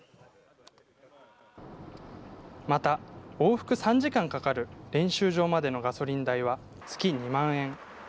また、往復３時間かかる練習場までのガソリン代は、月２万円。